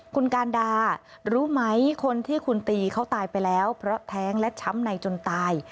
คุณการดารู้ไหมคนที่คุณตีเขาตายไปแล้วเพราะแท้งและช้ำในจนตาย